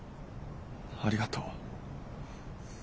ありがとう。